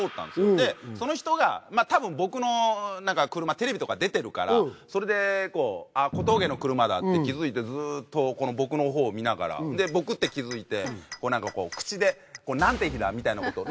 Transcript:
でその人がたぶん僕の車テレビとか出てるからそれで小峠の車だって気付いてずっと僕のほうを見ながらで僕って気付いて口で「なんて日だ！」みたいなことを。